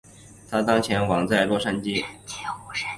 她当前住在洛杉矶。